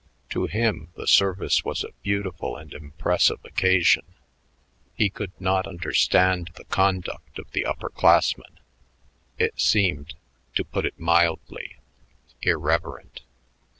To him the service was a beautiful and impressive occasion. He could not understand the conduct of the upper classmen. It seemed, to put it mildly, irreverent.